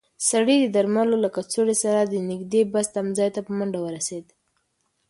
سړی د درملو له کڅوړې سره د نږدې بس تمځای ته په منډه ورسېد.